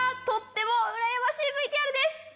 とってもうらやましいＶＴＲです！